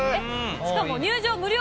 しかも入場無料！